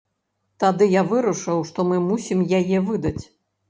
Тады я вырашыў, што мы мусім яе выдаць.